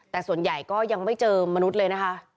แต่ส่วนใหญ่ก็ยังไม่เจอมนุษย์เลยนะคะ